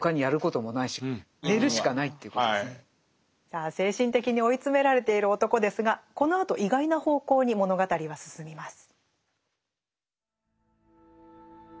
さあ精神的に追い詰められている男ですがこのあと意外な方向に物語は進みます。